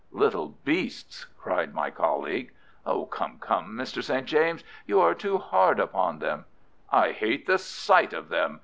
"Little beasts!" cried my colleague. "Come, come, Mr. St. James, you are too hard upon them." "I hate the sight of them!